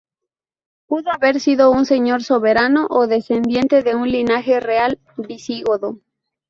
Pudo haber sido un señor soberano o descendiente de un linaje real visigodo.